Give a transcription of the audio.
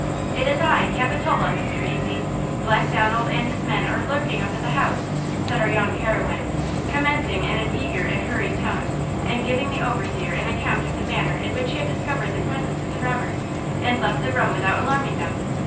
"It is I–Capitola, Mr. Ezy–Black Donald and his men are lurking up at the house," said our young heroine, commencing in an eager and hurried voice, and giving the overseer an account of the manner in which she had discovered the presence of the robbers, and left the room without alarming them.